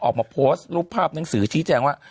ออกมาโพสต์รูปภาพหนังสือชี้แจงว่า